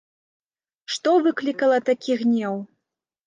Што выклікала такі гнеў?